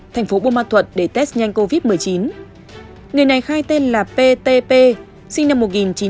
tp bô ma thuật để test nhanh covid một mươi chín người này khai tên là ptp sinh năm một nghìn chín trăm bảy mươi năm